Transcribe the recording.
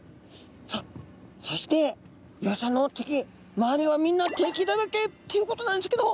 さあそしてイワシちゃんの敵周りはみんな敵だらけっていうことなんですけど。